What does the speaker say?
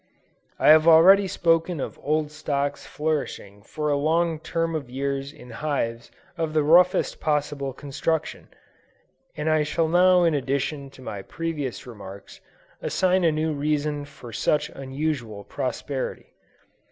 I have already spoken of old stocks flourishing for a long term of years in hives of the roughest possible construction; and I shall now in addition to my previous remarks assign a new reason for such unusual prosperity.